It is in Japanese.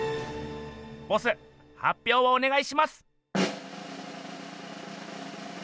ボスはっぴょうをおねがいします！